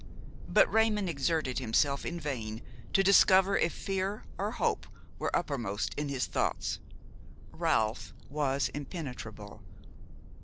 But Raymon exerted himself in vain to discover if fear or hope were uppermost in his thoughts; Ralph was impenetrable.